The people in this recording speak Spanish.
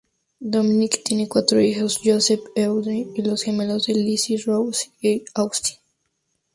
Dominic tiene cuatro hijos: Joseph, Audrey y los gemelos Lily-Rose y Augustus.